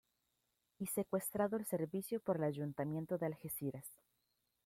Y secuestrado el servicio por el Ayuntamiento de Algeciras.